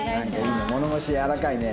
物腰やわらかいね。